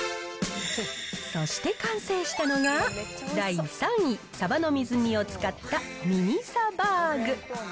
そして完成したのが第３位、さばの水煮を使ったミニサバーグ。